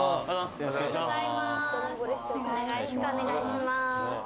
よろしくお願いします。